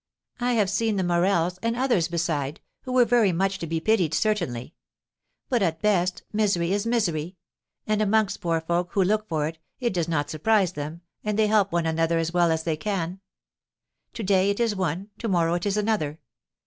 I have seen the Morels, and others beside, who were very much to be pitied certainly. But, at best, misery is misery; and amongst poor folk, who look for it, it does not surprise them, and they help one another as well as they can. To day it is one, to morrow it is another.